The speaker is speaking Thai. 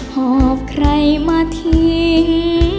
หอบใครมาทิ้ง